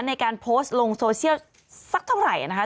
ในการโพสต์ลงโซเชียลสักเท่าไหร่นะคะ